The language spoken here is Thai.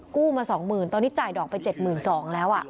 กู้มาสองหมื่นตอนนี้จ่ายดอกไปเจ็ดหมื่นสองแล้วอะ